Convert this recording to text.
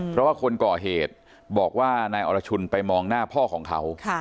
เพราะว่าคนก่อเหตุบอกว่านายอรชุนไปมองหน้าพ่อของเขา